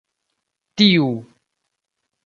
tiu